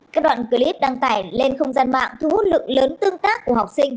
các đoạn clip đăng tải lên không gian mạng thu hút lượng lớn tương tác của học sinh